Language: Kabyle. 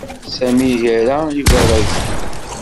Sami ira ibarazen.